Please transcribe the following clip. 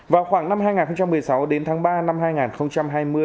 vào khoảng năm hai nghìn một mươi sáu đến tháng ba năm hai nghìn hai mươi